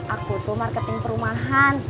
aku tuh marketing perumahan